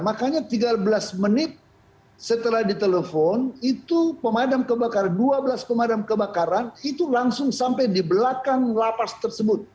makanya tiga belas menit setelah ditelepon itu pemadam kebakaran dua belas pemadam kebakaran itu langsung sampai di belakang lapas tersebut